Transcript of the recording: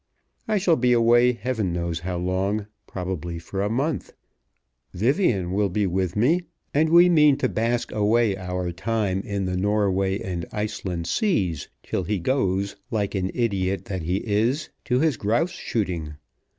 I shall be away Heaven knows how long; probably for a month. Vivian will be with me, and we mean to bask away our time in the Norway and Iceland seas, till he goes, like an idiot that he is, to his grouse shooting.